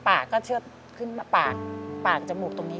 ปากก็เชื่อขึ้นมาปากจมูกตรงนี้